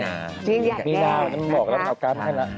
ยิ่งใหญ่แน่หะอันดับกรรมให้แล้ว